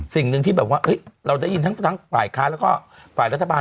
สิ่งหนึ่งที่แบบว่าเราได้ยินทั้งฝ่ายค้าแล้วก็ฝ่ายรัฐบาล